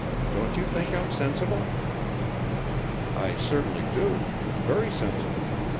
Don't you think I'm sensible?" "I certainly do. Very sensible.